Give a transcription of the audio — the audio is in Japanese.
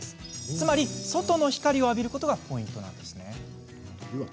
つまり、外の光を浴びることがポイント。